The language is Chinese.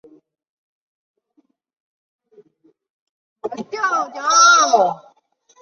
化县首届农民协会旧址的历史年代为清代。